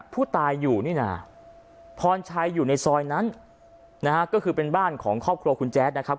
ผู้ตายอยู่นี่นะพรชัยอยู่ในซอยนั้นนะฮะก็คือเป็นบ้านของครอบครัวคุณแจ๊ดนะครับ